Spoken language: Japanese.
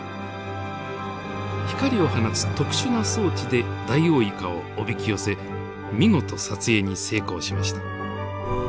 光を放つ特殊な装置でダイオウイカをおびき寄せ見事撮影に成功しました。